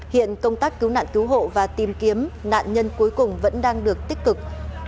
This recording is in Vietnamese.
hiện công tác cứu nạn cứu hộ và tìm kiếm nạn nhân cuối cùng vẫn đang được tích cực